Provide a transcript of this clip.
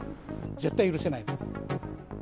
絶対許せないです。